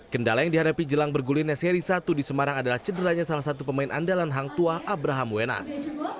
kendala yang dihadapi jelang bergulirnya seri satu di semarang adalah cederanya salah satu pemain andalan hang tua abraham wenas